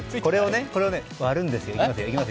これをね、割るんですよ。